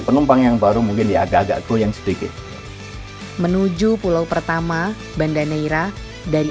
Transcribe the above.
penumpang yang baru mungkin dia agak agak goyang sedikit menuju pulau pertama banda neira dari